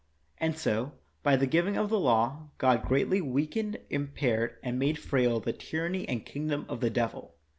And so, by the giving of the law, God greatly weakened, impaired, and made frail the tyranny and kingdom of the devil.